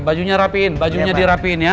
bajunya rapiin bajunya dirapiin ya